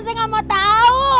saya gak mau tau